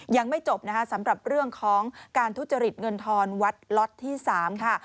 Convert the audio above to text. ยังไม่จบนะคะสำหรับเรื่องของการทุจริตเงินทอนวัดล็อตที่๓ค่ะ